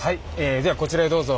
えではこちらへどうぞ。